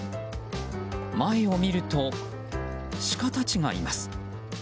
前を見ると、シカたちがいます。